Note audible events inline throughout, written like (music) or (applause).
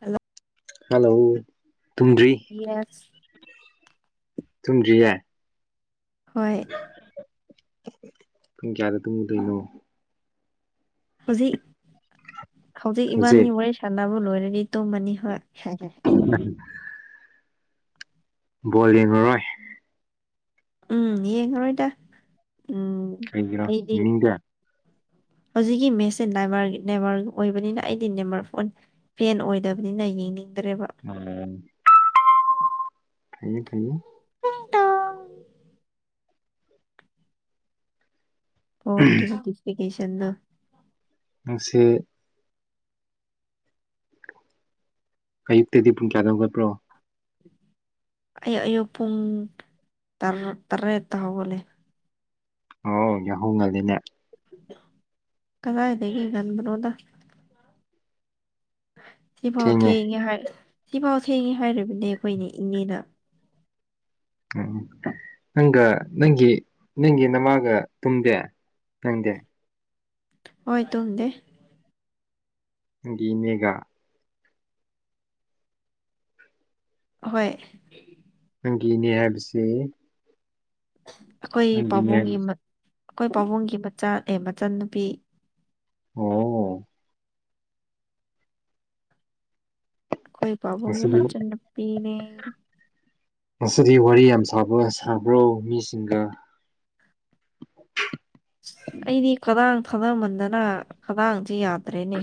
Hello hello ꯇꯨꯝꯗ꯭ꯔꯤ yes ꯊꯨꯝꯗꯔ꯭ꯤꯌꯦ ꯍꯣꯏ ꯄꯨꯡ ꯀ꯭ꯌꯥꯗ ꯇꯨꯃꯒꯥꯗꯣꯏꯅꯣ ꯍꯧꯖꯤꯛ ꯍꯧꯖꯤꯛ ꯏꯕꯥꯅꯤ ꯋꯥꯔꯤ ꯁꯥꯟꯅꯕ ꯂꯣꯏꯔꯗꯤ ꯇꯨꯝꯃꯅꯤ ꯍꯣꯏ ꯎ ꯕꯣꯜ ꯌꯦꯡꯉꯔꯣꯏ ꯎꯝ ꯌꯦꯡꯉꯔꯣꯏꯗ ꯎꯝ ꯀꯩꯒꯤꯔꯣ ꯑꯩꯗꯤ ꯌꯦꯡꯅꯤꯡꯗꯦ ꯍꯧꯖꯤꯛꯀꯤ ꯃꯦꯁꯁꯦ ꯅꯦꯃꯥꯔ ꯅꯦꯃꯥꯔꯒꯤ ꯑꯣꯏꯕꯅꯤꯅ ꯑꯩꯗꯤ ꯅꯦꯃꯥꯔ ꯐꯣꯟ ꯐꯦꯟ ꯑꯣꯏꯗꯕꯅꯤꯅ ꯌꯦꯡꯅꯤꯡꯗ꯭ꯔꯦꯕ ꯎꯝ ꯐꯩꯌꯦ ꯐꯩꯌꯦ ꯇꯤꯡꯇꯣꯡ ꯐꯣꯟꯒꯤꯁꯨ ꯗꯤꯞꯂꯤꯀꯦꯁꯟꯅꯥ ꯅꯨꯡꯁꯤ ꯑꯌꯨꯛꯇꯗꯤ ꯄꯨꯡ ꯀꯌꯥꯗꯥ ꯍꯧꯒꯠꯄ꯭ꯔꯣ ꯑꯌꯨꯛ ꯑꯌꯨꯛ ꯄꯨꯡ ꯇꯔꯦꯠꯇ ꯍꯧꯒꯠꯂꯤ ꯑꯣ ꯌꯥꯍꯧ ꯉꯟꯂꯤꯅꯦ ꯀꯗꯥꯏꯗꯒ ꯉꯟꯕꯅꯣꯗ ꯁꯤꯐꯥꯎ ꯊꯦꯡꯉꯦ ꯍꯥꯏ ꯁꯤꯐꯥꯎ ꯊꯦꯡꯉꯦ ꯍꯥꯏꯔꯤꯕꯅꯦ ꯑꯩꯈꯣꯏ ꯏꯅꯦ ꯏꯪꯅꯦꯅ ꯎ ꯅꯪꯒ ꯅꯪꯒꯤ ꯅꯪꯒꯤ ꯅꯃꯥꯒ ꯇꯨꯝꯗꯦ ꯅꯪꯗꯦ ꯍꯣꯏ ꯇꯨꯝꯗꯦ ꯅꯪꯒꯤ ꯏꯅꯦꯒ ꯍꯣꯏ ꯅꯪꯒꯤ ꯏꯅꯦ ꯍꯥꯏꯕꯁꯤ ꯑꯩꯈꯣꯏ ꯅꯪꯒꯤ ꯏꯅꯦ ꯄꯥꯕꯨꯡꯒꯤ ꯑꯩꯈꯣꯏ ꯄꯥꯕꯨꯡꯒꯤ ꯃꯆꯥꯅꯦ ꯃꯆꯟꯅꯨꯄꯤ ꯑꯣ ꯈꯣꯏ ꯄꯥꯕꯨꯡꯒꯤ ꯉꯁꯤꯗꯤ ꯃꯆꯟꯅꯨꯄꯤꯅꯦ ꯉꯁꯤꯗꯤ ꯋꯥꯔꯤ ꯌꯥꯝ ꯁꯥꯕ ꯁꯥꯕ꯭ꯔꯣ ꯃꯤꯁꯤꯡꯒ ꯑꯩꯗꯤ ꯈꯗꯥꯡ ꯊꯥꯗꯥꯃꯟꯗꯅ ꯈꯨꯗꯥꯡꯁꯦ ꯌꯥꯗ꯭ꯔꯦꯅꯦ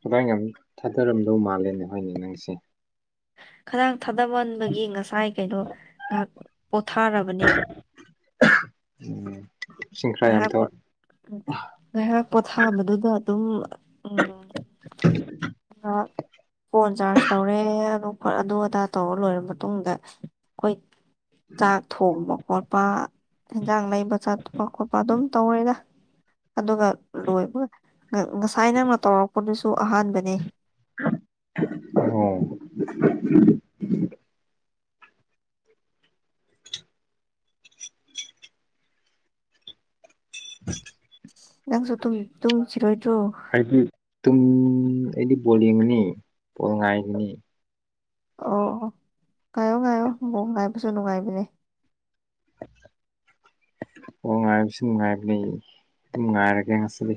ꯈꯥꯗꯥꯡ ꯌꯥꯝ ꯊꯥꯗꯔꯝꯗꯧ ꯃꯥꯜꯂꯦꯅꯦ ꯍꯣꯏꯅꯦ ꯅꯪꯁꯦ ꯈꯗꯥꯥꯡ ꯊꯥꯗꯃꯟꯕꯒꯤ ꯉꯁꯥꯏ ꯀꯩꯅꯣ ꯉꯥꯏꯍꯥꯛ ꯄꯣꯊꯥꯔꯕꯅꯦꯕ ꯎꯝ ꯏꯁꯤꯡ ꯈꯔ ꯌꯥꯝ ꯉꯥꯏꯍꯥꯛꯄꯣ ꯊꯛꯑꯣ ꯎꯝ ꯉꯥꯏꯍꯥꯛ ꯄꯣꯊꯥꯕꯗꯨꯗ ꯑꯗꯨꯝ ꯎꯝ ꯐꯣꯟ ꯆꯥꯔꯖ ꯇꯧꯔꯦ ꯑꯗꯨꯝ ꯍꯣꯏ ꯑꯗꯨ ꯑꯗꯥ ꯇꯧꯔ ꯂꯣꯏꯔ ꯃꯇꯨꯡꯗ ꯑꯩꯈꯣꯏ ꯆꯥꯛ ꯊꯣꯡꯕ ꯈꯣꯠꯄ ꯏꯟꯖꯥꯡ ꯂꯩꯕ ꯆꯥ ꯇꯨꯄ ꯈꯣꯠꯄ ꯑꯗꯨꯝ ꯇꯧꯔꯦꯗ ꯑꯗꯨꯒ ꯂꯣꯏꯕ ꯉꯁꯥꯏ ꯅꯪꯅ ꯇꯧꯔꯛꯄꯗꯨꯁꯨ ꯑꯍꯥꯟꯕꯅꯦ ꯑꯣ ꯅꯪꯁꯨ ꯇꯨꯡꯇꯨꯡꯁꯤꯔꯣꯏꯗ꯭ꯔꯣ ꯍꯥꯏꯗꯤ ꯇꯨꯝ ꯑꯩꯗꯤ ꯕꯣꯜ ꯌꯦꯡꯉꯅꯤ ꯄꯣꯜ ꯉꯥꯏꯒꯅꯤ ꯑꯣ ꯑꯣ ꯉꯥꯏꯌꯣ ꯉꯥꯏꯌꯣ ꯕꯣꯜ ꯉꯥꯏꯕꯁꯨ ꯅꯨꯡꯉꯥꯏꯕꯅꯦ ꯑꯣ ꯉꯥꯏꯕꯁꯨ ꯅꯨꯡꯉꯥꯏꯕꯅꯤ ꯑꯗꯨꯝ ꯉꯥꯏꯔꯒꯦ ꯉꯁꯤꯗꯤ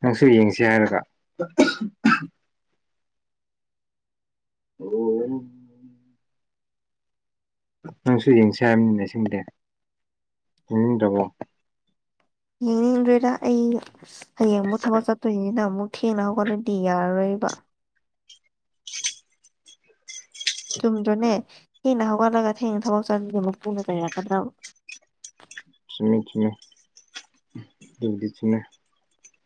ꯅꯪꯁꯨ ꯌꯦꯡꯁꯤ ꯍꯥꯏꯔꯒ ꯑꯣ ꯅꯪꯁꯨ ꯌꯦꯡꯁꯦ ꯍꯥꯏꯕꯅꯤꯅꯁꯤꯡꯗꯦ ꯌꯦꯡꯅꯤꯡꯗ꯭ꯔꯕꯣ ꯌꯦꯡꯅꯤꯡꯗ꯭ꯔꯣꯏꯔ ꯑꯩ ꯍꯌꯦꯡꯕꯨ ꯊꯕꯛ ꯆꯠ ꯇꯅ ꯑꯃꯨ ꯊꯦꯡꯅ ꯍꯧꯒꯠꯔꯗꯤ ꯌꯥꯔꯔꯣꯏꯕ ꯆꯨꯝꯗ꯭ꯔꯣꯅꯦ ꯊꯦꯡꯅ ꯍꯧꯒꯠꯂꯒ ꯊꯦꯡꯅ ꯊꯕꯛ ꯆꯠꯒ ꯄꯨꯅ ꯆꯩꯔꯛꯀꯗ꯭ꯔꯕ ꯁꯨꯝꯃꯦ ꯁꯨꯝꯃꯦ ꯑꯗꯨꯕꯨꯗꯤ ꯁꯨꯝꯃꯦ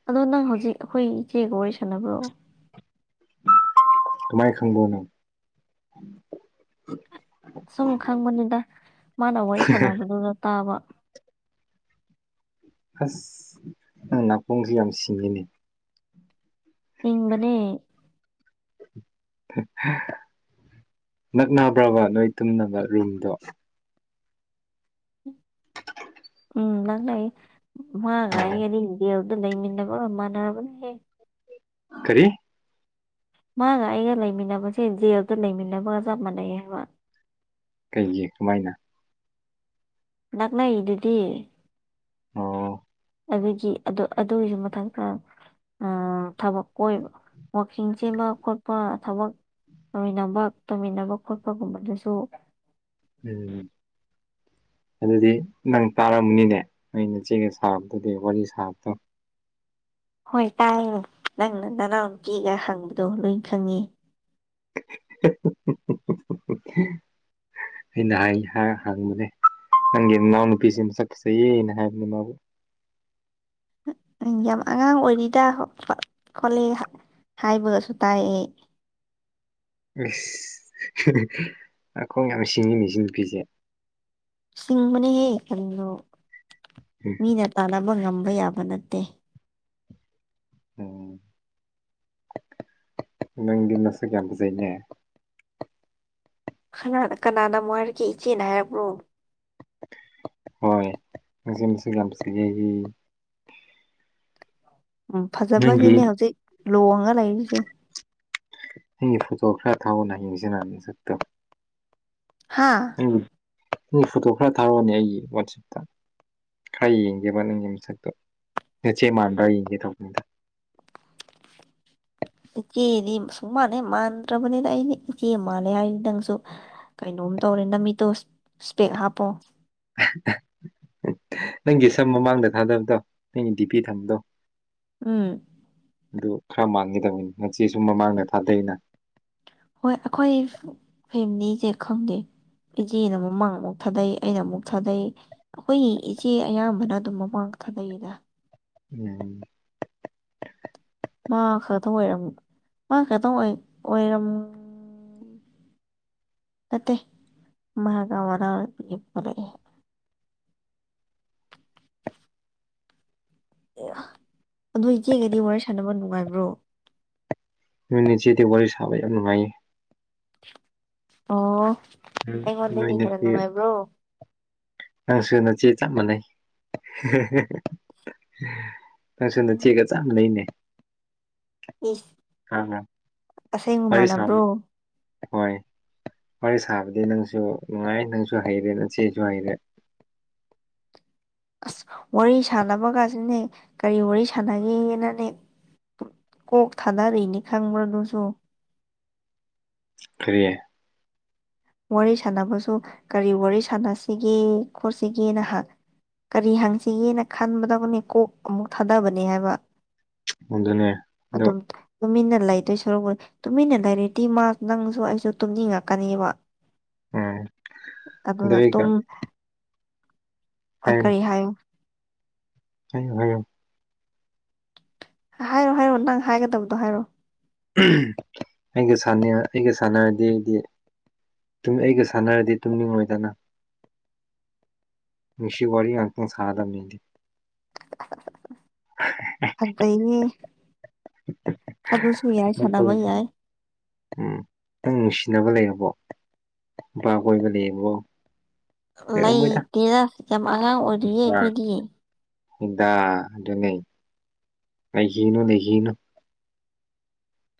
ꯑꯗꯣ ꯅꯪ ꯍꯧꯖꯤꯛ ꯑꯩꯈꯣꯏ ꯏꯆꯦꯒ ꯋꯥꯔꯤ ꯁꯅꯕ꯭ꯔꯣ (unintelligible) ꯅꯪ ꯑꯩ ꯈꯪꯕꯔꯣ ꯅꯪ ꯁꯨꯝ ꯈꯪꯕꯅꯤꯗ ꯃꯥꯅ ꯋꯥꯔꯤ ꯁꯥꯟꯅꯕꯗꯨꯗ ꯇꯥꯕ ꯑꯁ ꯅꯪ ꯅꯥꯀꯣꯡꯖꯤ ꯌꯥꯝ ꯁꯤꯡꯂꯤꯅꯦ ꯏꯪꯕꯅꯦ ꯅꯛꯅꯕ꯭ꯔꯕ ꯅꯣꯏ ꯇꯨꯝꯅꯕ ꯔꯨꯝꯗꯣ ꯎꯝ ꯅꯪꯅꯏꯌꯦ ꯃꯥꯒꯥꯏ ꯑꯣ ꯑꯗꯤ ꯗꯦꯜꯗ ꯂꯩꯃꯤꯟꯅꯕ꯭ꯔꯣ ꯃꯥꯟꯅꯔꯕꯅꯦ ꯍꯌꯦ ꯀꯔꯤ ꯃꯥꯒ ꯑꯩꯒ ꯂꯩꯃꯤꯟꯅꯕꯁꯦ ꯖꯦꯜꯗ ꯂꯩꯃꯤꯟꯅꯕꯒ ꯆꯞ ꯃꯥꯟꯅꯩ ꯍꯥꯏꯕ ꯀꯩꯒꯤ ꯀꯃꯥꯏꯅ ꯅꯛꯅ ꯏꯗꯗꯤ ꯑꯣ ꯑꯗꯨꯒꯤ ꯑꯗꯨ ꯑꯗꯨꯒꯤꯁꯨ ꯃꯊꯪꯊꯪ ꯊꯕꯛ ꯀꯣꯏꯕ ꯋꯥꯛꯀꯤꯡ ꯆꯦꯟꯕ ꯈꯣꯠꯄ ꯊꯕꯛ ꯇꯧꯃꯤꯟꯅꯕ ꯇꯧꯃꯤꯟꯅꯕ ꯈꯣꯠꯄꯒꯨꯝꯕꯗꯨꯁꯨ ꯎꯝ ꯑꯗꯨꯗꯤ ꯅꯪ ꯇꯥꯔꯝꯃꯅꯤꯅꯦ ꯑꯩꯅ ꯆꯦꯒ ꯁꯥꯗꯨꯗꯤ ꯋꯥꯔꯤ ꯁꯥꯕꯗꯣ ꯍꯣꯏ ꯇꯥꯏꯌꯦ ꯅꯪꯅ ꯅꯅꯥꯎꯨꯄꯤꯒ ꯍꯪꯕꯗꯣ ꯂꯣꯏ ꯈꯪꯉꯤ (inaudible) ꯑꯩꯅ ꯍꯥꯏ ꯍꯪꯡꯕꯅꯦ ꯅꯪꯒꯤ ꯏꯅꯥꯎ ꯅꯨꯄꯤꯁꯤ ꯃꯁꯥꯛ ꯐꯖꯩꯌꯦ ꯍꯥꯏꯕꯅꯦ ꯃꯥꯕꯨ ꯑꯨ ꯌꯥꯝ ꯑꯉꯥꯡ ꯑꯣꯏꯔꯤꯗ ꯈꯣꯠꯂꯦ ꯍꯥꯏꯕꯒꯁꯨ ꯇꯥꯏꯑ ꯑꯁ ꯅꯀꯣꯡ ꯌꯥꯝ ꯁꯤꯡꯉꯤꯅꯦ ꯁꯤ ꯅꯨꯄꯤꯁꯦ ꯆꯤꯡꯕꯅꯍꯦ ꯀꯔꯤꯅꯣ ꯃꯤꯅ ꯇꯥꯟꯅꯕ ꯉꯝꯕ ꯌꯥꯕ ꯅꯠꯇꯦ ꯎꯝ ꯅꯪꯗꯤ ꯅꯁꯥꯛ ꯌꯥꯝ ꯐꯖꯩꯅꯦ ꯈꯅꯥꯅ ꯀꯅꯥꯅ ꯑꯃꯨꯛ ꯍꯥꯏꯔꯛꯒꯦ ꯏꯆꯦꯅ ꯍꯥꯏꯔꯕ꯭ꯔꯣ ꯍꯣꯏ ꯃꯁꯤ ꯃꯁꯤ ꯌꯥꯝ ꯐꯖꯩꯌꯦ ꯎꯝ ꯅꯪꯒꯤ ꯐꯖꯕꯒꯤꯅꯦ ꯍꯧꯖꯤꯛ ꯂꯣꯡꯉ ꯂꯩꯔꯤꯁꯦ ꯅꯪꯒꯤ ꯐꯣꯇꯣ ꯈꯔ ꯊꯥꯎꯑꯣꯅ ꯌꯦꯡꯁꯤꯅ ꯅꯁꯦꯛꯇꯣ ꯍꯥꯥ ꯎ ꯅꯪ ꯐꯣꯇꯣ ꯈꯔ ꯊꯥꯔꯛꯑꯣꯅꯦ ꯑꯩꯒꯤ ꯋꯥꯆꯦꯞꯇ ꯈꯔ ꯌꯦꯡꯒꯦꯕ ꯅꯪꯒꯤ ꯃꯁꯛꯇꯣ ꯅꯆꯦ ꯃꯥꯟꯕ꯭ꯔꯥ ꯌꯦꯡꯒꯦ ꯇꯧꯕꯅꯤꯗ ꯏꯆꯦꯗꯤ ꯁꯨꯡꯃꯥꯟ ꯍꯦꯛ ꯃꯥꯟꯗ꯭ꯔꯕꯅꯤꯗ ꯑꯩꯗꯤ ꯏꯆꯦ ꯃꯥꯜꯂꯦ ꯍꯥꯏ ꯅꯪꯁꯨ꯫ ꯀꯩꯅꯣꯝ ꯇꯧꯔꯦ ꯅꯃꯤꯠꯇꯣ ꯏꯁꯄꯦꯛ ꯍꯥꯞꯄꯣ꯫ (unintelligible) ꯅꯪꯒꯤ ꯁꯝ ꯃꯃꯥꯡꯗ ꯊꯥꯗꯕꯗꯣ ꯅꯪꯒꯤ ꯗꯤ ꯄꯤ ꯊꯝꯕꯗꯣ꯫ ꯎꯝ꯫ ꯑꯗꯨ ꯈꯔ ꯃꯥꯟꯒꯗꯧꯕꯅꯤ ꯅꯆꯦꯖꯨ ꯃꯃꯥꯡꯗ ꯊꯥꯗꯩꯅ꯫ ꯍꯣꯏ ꯑꯩꯈꯣꯏ ꯐꯦꯃꯤꯅꯤꯖꯦ ꯈꯪꯗꯦ ꯏꯆꯦꯅ ꯃꯃꯥꯡ ꯑꯃꯨꯛ ꯊꯥꯗꯩ ꯑꯩꯅ ꯑꯃꯨꯛ ꯊꯥꯗꯩ꯫ ꯑꯩꯈꯣꯏꯒꯤ ꯏꯆꯦ ꯑꯌꯥꯝꯕꯅ ꯑꯗꯨꯝ ꯃꯃꯥꯡ ꯊꯥꯗꯒꯤꯗ꯫ ꯎꯝ꯫ ꯃꯥ ꯈꯠꯇ ꯑꯣꯏꯔꯝ ꯃꯥ ꯈꯠꯇ ꯑꯣꯏ ꯑꯣꯏꯔꯝ ꯅꯠꯇꯦ ꯃꯥꯒ ꯃꯅꯥꯎꯅꯨꯄꯤ ꯄꯣꯔꯛꯑꯦ꯫ ꯑꯦꯌꯥ ꯑꯗꯨ ꯏꯆꯦꯒꯗꯤ ꯋꯥꯔꯤ ꯁꯥꯟꯅꯕ ꯅꯨꯡꯉꯥꯏꯕ꯭ꯔꯣ꯫ ꯅꯣꯏ ꯅꯆꯦꯗꯤ ꯋꯥꯔꯤ ꯁꯕ ꯌꯥꯝ ꯅꯨꯡꯉꯥꯏꯌꯦ꯫ ꯑꯣ ꯑꯩꯉꯣꯟꯗꯒꯤ ꯅꯣꯏ ꯍꯦꯟꯅ ꯅꯨꯡꯉꯥꯏꯕ꯭ꯔꯣ꯫ ꯑꯪꯁꯨ ꯅꯆꯦ ꯆꯞꯃꯥꯟꯅꯩ꯫ ꯅꯪꯁꯨ ꯅꯆꯦꯒ ꯆꯞ ꯃꯥꯟꯅꯩꯅꯦ꯫ ꯏꯁ ꯈꯪꯕ꯭ꯔꯥ ꯑꯁꯦꯡꯕ ꯋꯥꯔꯤ ꯁꯥꯕ ꯃꯥꯟꯅꯕ꯭ꯔꯣ꯫ ꯍꯣꯏ ꯋꯥꯔꯤ ꯁꯥꯕꯗꯤ ꯅꯪꯁꯨ ꯅꯨꯡꯉꯥꯏ ꯅꯪꯁꯨ ꯍꯩꯔꯦ ꯅꯆꯦꯁꯨ ꯍꯩꯔꯦ꯫ ꯑꯁ ꯋꯥꯔꯤ ꯁꯥꯟꯅꯕꯒꯁꯤꯅꯦ ꯀꯔꯤ ꯋꯥꯔꯤ ꯁꯥꯟꯅꯒꯦꯅꯅꯦ ꯀꯣꯛ ꯊꯥꯗꯔꯤꯅꯤ ꯈꯪꯕ꯭ꯔ ꯑꯗꯨꯁꯨ꯫ ꯀꯔꯤꯌꯦ꯫ ꯋꯥꯔꯤ ꯁꯥꯟꯅꯕꯁꯨ ꯀꯔꯤ ꯋꯥꯔꯤ ꯁꯥꯟꯅꯁꯤꯒꯦ ꯈꯣꯠꯁꯤꯒꯦꯅ ꯍꯥ꯫ ꯀꯔꯤ ꯍꯥꯡꯁꯤꯒꯦꯅ ꯈꯟꯕꯗꯕꯨꯅꯤ ꯀꯣꯛ ꯑꯃꯨꯛ ꯊꯥꯗꯕꯅꯦ ꯍꯥꯏꯕ꯫ ꯑꯗꯨꯅꯦ ꯑꯗꯣ ꯑꯗꯨꯝ꯫ ꯇꯨꯃꯤꯟꯅ ꯂꯩꯗꯣꯏ ꯁꯣꯔꯛꯕꯨꯗꯤ ꯇꯨꯃꯤꯟꯅ ꯂꯩꯔꯗꯤ ꯃꯥ ꯅꯪꯁꯨ ꯑꯩꯁꯨ ꯇꯨꯝꯅꯤꯡꯉꯛꯀꯅꯤꯕ꯫ ꯎꯝ꯫ ꯑꯗꯨ ꯑꯗꯨꯅ ꯑꯩꯒ ꯇꯨꯝ ꯑ ꯀꯔꯤ ꯍꯥꯏꯌꯣ꯫ ꯍꯥꯏꯌꯣ ꯍꯥꯏꯌꯣ꯫ ꯍꯥꯏꯔꯣ ꯍꯥꯏꯔꯣ ꯅꯪ ꯍꯥꯏꯒꯗꯕꯗꯣ ꯍꯥꯏꯔꯣ꯫ ꯅꯪ (unintelligible) ꯑꯩꯒ ꯁꯥꯟꯅꯔꯗꯤ ꯑꯩꯗꯤ ꯇꯨꯨꯝ ꯑꯩꯒ ꯁꯥꯟꯅꯔꯗꯤ ꯇꯨꯝꯅꯤꯡꯉꯣꯏꯗ ꯅꯪ꯫ ꯅꯨꯡꯁꯤ ꯋꯥꯔꯤ ꯉꯥꯛꯇꯪ ꯁꯥꯒꯗꯕꯅꯤ ꯑꯩꯗꯤ꯫ (unintelligible) ꯐꯠꯖꯩꯅꯦ ꯑꯗꯨꯁꯨ ꯌꯥꯏ ꯁꯥꯟꯅꯕ ꯌꯥꯏ꯫ ꯎꯝ ꯅꯪ ꯅꯨꯡꯁꯤꯅꯕ ꯂꯩꯔꯕꯣ ꯅꯨꯄꯥ ꯀꯣꯏꯕ ꯂꯩꯌꯦꯕꯣ꯫ ꯂꯩꯇꯤꯔ ꯌꯥꯝ ꯑꯉꯥꯡ ꯑꯣꯏꯔꯤꯌꯦ ꯑꯩꯈꯣꯏꯗꯤ꯫ ꯗꯥ ꯑꯗꯨꯅꯩ꯫ ꯂꯩꯒꯤꯅꯨ ꯂꯩꯒꯤꯅꯨ꯫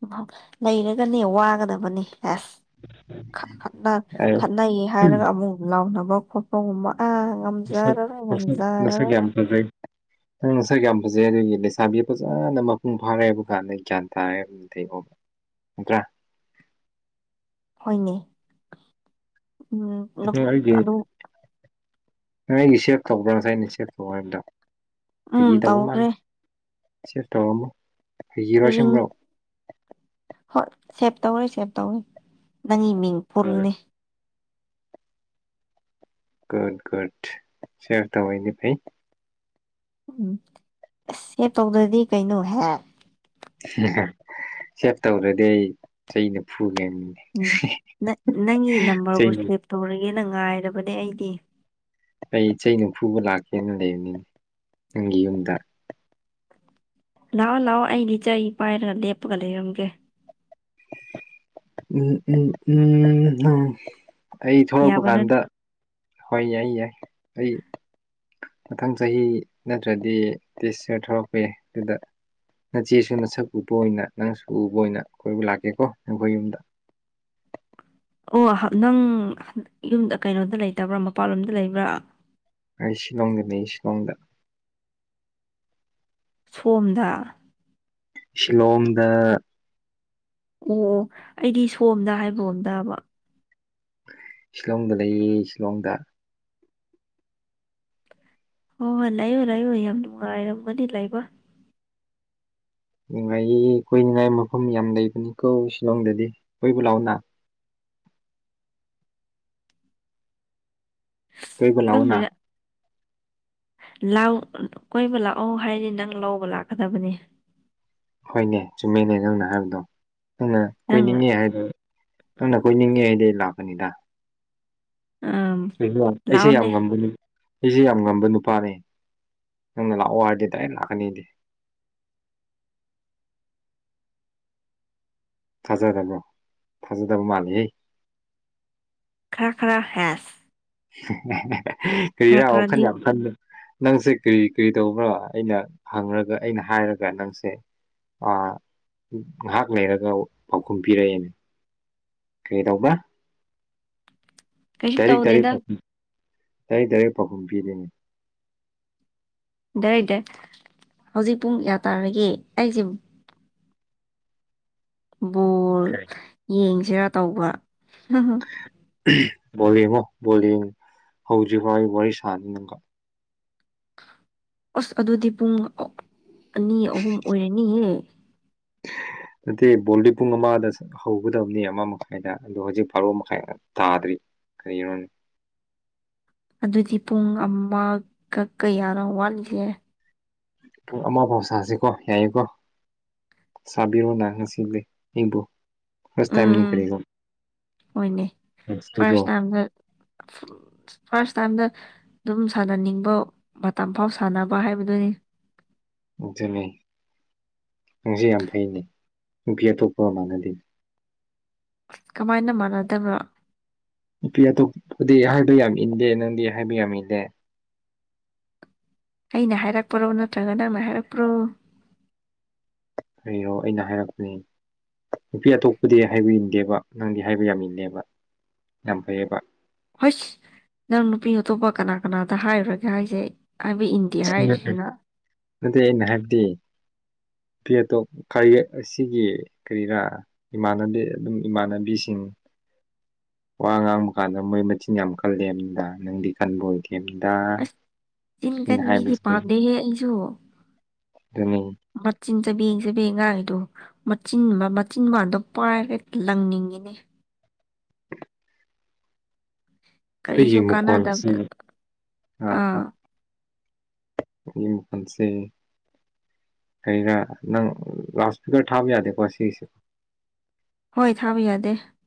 (unintelligible) ꯂꯩꯔꯒꯅꯦ ꯋꯥꯒꯗꯕꯅꯤ ꯑꯁ (unintelligible) ꯑꯩ ꯈꯠꯅꯩꯌꯦ꯫ ꯐꯥꯔꯒ ꯑꯃꯨꯛ ꯂꯥꯎꯅꯕ ꯈꯣꯠꯄꯒꯨꯝꯕ ꯑ ꯃꯁꯛ ꯃꯁꯛ ꯃꯁꯛ ꯌꯥꯝ ꯐꯖꯩ꯫ ꯅꯪ ꯅꯁꯛ ꯌꯥꯝ ꯐꯖꯩ ꯑꯗꯨꯒꯤ ꯂꯩꯁꯥꯕꯤ ꯐꯖꯅ ꯃꯄꯨꯡ ꯐꯥꯔꯦꯕ ꯀꯥꯟꯗ ꯒ꯭ꯌꯥꯟ ꯇꯥꯔꯦ꯫ ꯅꯠꯇꯦꯀꯣ ꯅꯠꯇ꯭ꯔꯥ꯫ ꯍꯣꯏꯅꯦ ꯎꯝ ꯑꯕꯦ ꯑꯩꯒꯤ ꯑꯗꯨ ꯅꯪ ꯑꯩꯒꯤ ꯁꯦꯚ ꯇꯧꯕ꯭ꯔꯥ ꯉꯁꯥꯏ ꯑꯩꯅ ꯁꯦꯚ ꯇꯧꯕ ꯍꯥꯏꯕꯗꯣ ꯎꯝ ꯐꯥꯒꯤ ꯇꯧꯕ ꯃꯥꯜ ꯇꯧꯈ꯭ꯔꯦ ꯁꯦꯚ ꯇꯧꯔꯝꯃꯣꯏ ꯔꯍꯤꯡ ꯑꯁꯦꯡꯕ꯭ꯔꯣ ꯍꯣꯏ ꯁꯦꯚ ꯇꯧꯔꯦ ꯁꯦꯚ ꯇꯧꯔꯦ ꯅꯪꯒꯤ ꯃꯤꯡ ꯍꯣꯏ ꯄꯨꯜꯅꯤ ꯨꯒꯨꯗ ꯒꯨꯗ ꯁꯦꯚ ꯇꯧ ꯇꯧꯕꯩꯗꯤ ꯐꯩ ꯎꯝ ꯑꯁ ꯁꯦꯚ ꯇꯧꯗ꯭ꯔꯗꯤ ꯀꯩꯅꯣꯍꯦ ꯁꯦꯚ ꯇꯧꯗ꯭ꯔꯗꯤ ꯆꯩꯅ ꯐꯨꯒꯦꯅꯤ ꯎꯝ ꯅꯠ ꯅꯪꯒꯤ ꯅꯝꯕꯔꯕꯨ ꯆꯩꯅ ꯁꯦꯚ ꯇꯧꯔꯒꯦꯅ ꯉꯥꯏꯔꯕꯅꯦ ꯑꯩꯗꯤ ꯑꯩ ꯆꯩꯅ ꯐꯨꯕ ꯂꯥꯛꯀꯦꯅ ꯂꯩꯕꯅꯤ ꯅꯪꯒꯤ ꯌꯨꯝꯗ ꯂꯥꯛꯑꯣ ꯂꯥꯛꯑꯣ ꯑꯩꯒꯤ ꯆꯩ ꯄꯥꯏꯔꯒ ꯂꯦꯞꯄꯒ ꯂꯩꯔꯝꯒꯦ ꯎꯝ ꯎꯝ ꯎꯝ ꯅ ꯑꯩ ꯊꯣꯛꯂꯛꯄ ꯌꯥꯕ ꯅꯠ ꯀꯥꯟꯗ ꯍꯣꯏ ꯌꯥꯏ ꯌꯥꯏ ꯑꯩ ꯃꯊꯪ ꯆꯍꯤ ꯅꯠꯇ꯭ꯔꯗꯤ ꯗꯤꯁ ꯏꯌꯔ ꯊꯣꯔꯛꯄ ꯌꯥꯏ ꯑꯗꯨꯗ ꯅꯆꯦꯁꯨ ꯅꯁꯛ ꯎꯕ ꯑꯣꯏꯅ ꯅꯪꯁꯨ ꯎꯕ ꯑꯣꯏꯅ ꯀꯣꯏꯕ ꯂꯥꯛꯀꯦꯀꯣ ꯅꯈꯣꯏ ꯌꯨꯝꯗ ꯑꯣ ꯍꯥ ꯅꯪ ꯌꯨꯝꯗ ꯀꯩꯅꯣꯗ ꯂꯩꯇꯕ꯭ꯔꯥ ꯃꯄꯥꯟꯂꯣꯝꯗ ꯂꯩꯕ꯭ꯔꯥ ꯑꯩꯩ ꯁꯤꯂꯣꯡꯗ ꯂꯩ ꯁꯤꯂꯣꯡꯗ ꯁꯣꯝꯗ ꯁꯤꯂꯣꯡꯗ ꯑꯣ ꯑꯣ ꯑꯩꯗꯤ ꯁꯣꯝꯗ ꯍꯥꯏꯒꯨꯝ ꯇꯥꯕ ꯁꯤꯂꯣꯡꯗ ꯂꯩꯌꯦ ꯁꯤꯂꯣꯡꯗ ꯍꯣ ꯍꯣ ꯂꯩꯌꯨ ꯂꯩꯌꯨ ꯌꯥꯝ ꯅꯨꯡꯉꯥꯏꯔꯝꯒꯅꯤ ꯂꯩꯕ ꯅꯨꯡꯉꯥꯏꯌꯦ ꯀꯣꯏꯅꯤꯡꯉꯥꯏ ꯃꯐꯝ ꯌꯥꯝ ꯂꯩꯕꯅꯤꯀꯣ ꯁꯤꯂꯣꯡꯗꯗꯤ ꯀꯣꯏꯕ ꯂꯥꯛꯎꯅ ꯀꯣꯏꯕ ꯂꯥꯛꯑꯣꯅ ꯈꯪꯗꯦꯗ ꯂꯥꯡ ꯀꯣꯏꯕ ꯂꯥꯛꯑꯣ ꯍꯥꯏꯔꯗꯤ ꯅꯪ ꯂꯧꯕ ꯂꯥꯛꯀꯗꯕꯅꯤ ꯍꯣꯏꯅꯦ ꯆꯨꯝꯃꯦꯅꯦ ꯅꯪꯅ ꯍꯥꯏꯕꯗꯣ ꯅꯪꯅ ꯅꯪ ꯀꯣꯏꯅꯤꯡꯉꯦ ꯍꯥꯏꯕ ꯅꯪꯅ ꯀꯣꯏꯅꯤꯡꯉꯦ ꯍꯥꯏꯗꯤ ꯂꯥꯛꯀꯅꯤꯗ ꯑꯝ ꯀꯩꯅꯣ ꯑꯩꯁꯦ ꯌꯥꯝ ꯉꯝꯕꯅꯤ ꯑꯩꯖꯤ ꯌꯥꯝ ꯉꯝꯕ ꯅꯨꯄꯥꯅꯤ ꯅꯪꯅ ꯂꯥꯛꯑꯣ ꯍꯥꯏꯔꯗꯤ ꯗꯥꯏꯔꯦꯛ ꯂꯥꯛꯀꯅꯤ ꯑꯩꯗꯤ ꯊꯥꯖꯗꯕ꯭ꯔꯣ ꯊꯥꯖꯗꯕ ꯃꯥꯜꯂꯤꯍꯦ ꯈꯔ ꯈꯔ ꯍꯦꯁ ꯈꯔ ꯀꯔꯤꯔ ꯋꯥꯈꯟ ꯈꯔꯗꯤ ꯌꯥꯝ ꯈꯟꯅꯨ ꯅꯪꯁꯦ ꯀ꯭ꯔꯤ ꯀ꯭ꯔꯤ ꯇꯧꯕ꯭ꯔꯣ ꯑꯩꯅ ꯍꯪꯔꯒ ꯑꯩꯅ ꯍꯥꯏꯔꯒ ꯅꯪꯁꯦ ꯑ ꯉꯍꯥꯛ ꯂꯩꯔꯒ ꯄꯥꯎꯈꯨꯝ ꯄꯤꯔꯛꯑꯦꯅꯦ ꯀꯔꯤꯗꯧꯕ‍꯭ꯔꯥ ꯀꯩꯁꯨ ꯗꯥꯏꯔꯦꯛ ꯗꯥꯏꯔꯦꯛ ꯇꯧꯗꯦꯗ (unintelligible) ꯗꯥꯏꯔꯦꯛ ꯗꯥꯏꯔꯦꯛ ꯄꯥꯎꯈꯨꯝ ꯄꯤꯅꯦ ꯗꯥꯏꯔꯦꯛꯗꯦ ꯍꯧꯖꯤꯛ ꯄꯨꯡ ꯌꯥ ꯇꯥꯔꯒꯦ ꯑꯩꯁꯦ ꯕꯣꯜ ꯀꯔꯤ ꯌꯦꯡꯁꯤꯔꯥ ꯇꯧꯕ ꯕꯣꯜ ꯌꯦꯡꯉꯣ ꯕꯣꯜ ꯌꯦꯡ ꯍꯧꯗ꯭ꯔꯤꯐꯥꯎ ꯑꯩ ꯋꯥꯔꯤ ꯁꯥꯅꯤ ꯅꯪꯒꯥ ꯑꯁ ꯑꯗꯨꯗꯤ ꯄꯨꯡ ꯑꯅꯤ ꯑꯍꯨꯝ ꯑꯣꯏꯔꯅꯤꯍꯦ ꯅꯠꯇꯦ ꯕꯣꯜꯗꯤ ꯄꯨꯡ ꯑꯃꯗꯁ ꯍꯧꯒꯗꯕꯅꯤ ꯑꯃ ꯃꯈꯥꯏꯗ ꯑꯗꯣ ꯍꯧꯖꯤꯛ ꯕꯥꯔꯣ ꯃꯈꯥꯏ ꯇꯥꯗ꯭ꯔꯤ ꯀꯔꯤꯅꯣꯅꯦ ꯑꯗꯨꯗꯤ ꯄꯨꯡ ꯑꯃꯒ ꯀꯌꯥꯔꯣ ꯋꯥꯠꯂꯤꯖꯦ ꯄꯨꯡ ꯑꯃꯐꯥꯎ ꯁꯥꯁꯤꯀꯣ ꯌꯥꯏꯌꯦꯀꯣ ꯁꯥꯕꯤꯔꯣ ꯅ ꯉꯁꯤꯗꯤ ꯑꯩꯕꯨ ꯐꯥꯔꯁ ꯇꯥꯏꯝ ꯅꯤ ꯀꯔꯤꯔꯣ ꯍꯣꯌꯅꯦ ꯑꯩꯁꯨ ꯐꯥꯔꯁ ꯇꯥꯏꯝꯗ ꯐꯥ ꯐꯥꯔꯁ ꯇꯥꯏꯝꯗ ꯑꯗꯨꯝ ꯁꯥꯟꯅꯅꯤꯡꯕ ꯃꯇꯝ ꯐꯥꯎ ꯁꯥꯟꯅꯕ ꯍꯥꯏꯕꯗꯨꯅꯤ ꯑꯗꯨꯅꯦ ꯅꯪꯁꯦ ꯌꯥꯝ ꯐꯩꯅꯦ ꯅꯨꯄꯤ ꯑꯇꯣꯞꯄ ꯃꯅꯗꯦꯅꯦ ꯀꯃꯥꯏꯅ ꯃꯥꯟꯅꯗꯕ ꯅꯨꯄꯤ ꯑꯇꯣꯞꯄꯗꯤ ꯍꯥꯏꯕ ꯌꯥꯝ ꯏꯟꯗꯦ ꯅꯪꯗꯤ ꯍꯥꯏꯕ ꯌꯥꯝ ꯏꯜꯂꯦ ꯑꯩꯅ ꯍꯥꯏꯔꯛꯄ꯭ꯔꯣ ꯅꯠꯇ꯭ꯔꯒ ꯅꯪꯅ ꯍꯥꯏꯔꯛꯄ꯭ꯔꯣ ꯀꯩꯔꯣ ꯑꯩꯅ ꯍꯥꯏꯔꯛꯄꯅꯦ ꯅꯨꯄꯤ ꯑꯇꯣꯞꯄꯗꯤ ꯍꯥꯏꯕ ꯏꯟꯗꯦꯕ ꯅꯪꯗꯤ ꯍꯥꯏꯕ ꯌꯥꯝ ꯏꯜꯂꯦꯕꯥ ꯌꯥꯝ ꯐꯩꯌꯦꯕ ꯍꯣꯏꯁ ꯅꯪ ꯅꯨꯄꯤ ꯑꯇꯣꯞꯄ ꯀꯅꯥ ꯀꯅꯥꯗ ꯍꯥꯏꯔꯨꯔꯒꯦ ꯍꯥꯏꯁꯦ ꯍꯥꯏꯕ ꯏꯟ (unintelligible) ꯅꯠꯇꯦ ꯑꯩꯅꯥ ꯍꯥꯏꯕꯗꯤ ꯅꯨꯄꯤ ꯑꯇꯣꯞ ꯈꯥꯔꯤ ꯑꯁꯤꯒꯤ ꯀꯔꯤꯔꯥ ꯏꯃꯥꯟꯅꯕꯤ ꯑꯗꯨꯝ ꯏꯃꯥꯟꯅꯕꯤꯁꯤꯡ ꯋꯥ ꯉꯥꯡꯕ ꯀꯥꯟꯗ ꯃꯣꯏ ꯃꯆꯤꯟ ꯌꯥꯝ ꯀꯜꯂꯦ ꯅꯝꯗ ꯅꯪꯗꯤ ꯀꯟꯕ ꯑꯣꯏꯗꯦ ꯅꯝꯗ ꯑꯁ ꯆꯤꯟ ꯀꯟꯕꯤꯗꯤ ꯄꯥꯝꯗꯦꯍꯦ ꯑꯩꯖꯨ (unintelligible) ꯃꯆꯤꯟ ꯆꯥꯕꯦꯡ ꯆꯕꯦꯡ ꯉꯥꯡꯉꯤꯗꯣ ꯃꯆꯤꯟ ꯃꯆꯤꯟꯕꯟꯗꯣ ꯄꯥꯏꯔ ꯂꯪꯅꯤꯡꯉꯤꯅꯦ ꯑꯩꯒꯤ ꯀꯔꯤꯁꯨ ꯀꯥꯟꯅꯗꯕꯗ (unintelligible) ꯑꯥ ꯑꯥ ꯎꯝ ꯐꯝꯁꯦ ꯀꯩꯔꯥ ꯅꯪ ꯂꯥꯎꯠ ꯏꯁꯄꯤꯀꯔ ꯊꯥꯕ ꯌꯥꯗꯦꯀꯣ ꯁꯤꯁꯦ ꯍꯣꯏ ꯊꯥꯕ ꯌꯥꯗꯦ